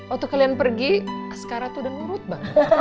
waktu kalian pergi askara tuh udah nurut banget